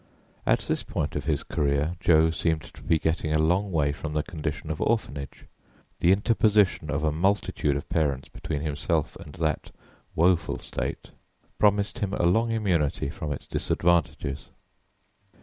At this point of his career Jo seemed to be getting a long way from the condition of orphanage; the interposition of a multitude of parents between himself and that woeful state promised him a long immunity from its disadvantages.